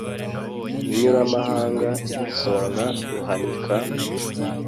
Inyuramahanga isonga Ruhanika,